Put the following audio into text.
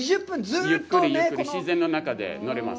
ゆっくりゆっくり自然の中で乗れます。